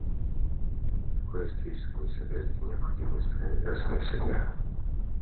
Такое историческое несоответствие необходимо исправить раз и навсегда.